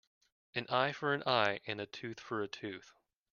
An eye for an eye and a tooth for a tooth.